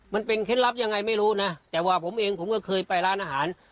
เคล็ดลับยังไงไม่รู้นะแต่ว่าผมเองผมก็เคยไปร้านอาหาร